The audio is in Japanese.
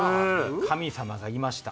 神様がいました！